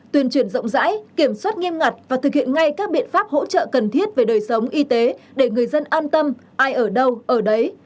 tuyên truyền rộng rãi kiểm soát nghiêm ngặt và thực hiện ngay các biện pháp hỗ trợ cần thiết về đời sống y tế để người dân an tâm ai ở đâu ở đấy